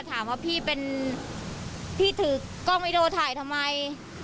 ถามว่าพี่ถือกล้องวีดีโอถ่ายทำไม